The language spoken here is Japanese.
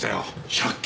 借金？